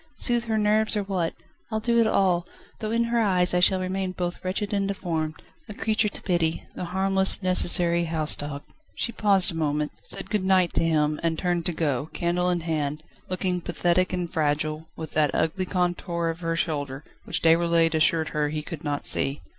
Soothe her nerves or what? I'll do it all, though in her eyes I shall remain both wretched and deformed, a creature to pity, the harmless, necessary house dog ..." She paused a moment: said "Good night" to him, and turned to go, candle in hand, looking pathetic and fragile, with that ugly contour of shoulder, which Déroulède assured her he could not see.